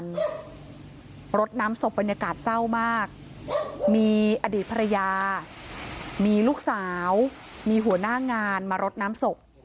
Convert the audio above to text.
รถน้ำศพบรรยากาศเศร้ามากมีอดีตภรรยามีลูกสาวมีหัวหน้างานมารดน้ำศพ